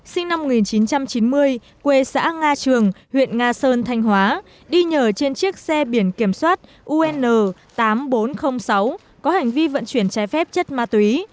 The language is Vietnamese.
sinh năm một nghìn chín trăm chín mươi quê xã nga trường huyện nga sơn thanh hóa đi nhờ trên chiếc xe biển kiểm soát un tám nghìn bốn trăm linh sáu có hành vi vận chuyển trái phép chất ma túy